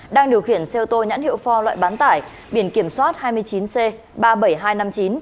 đang điều khiển xe ô tô nhãn hiệu for loại bán tải biển kiểm soát hai mươi chín c ba mươi bảy nghìn hai trăm năm mươi chín